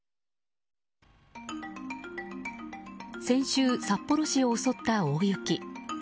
先週、札幌市を襲った大雪。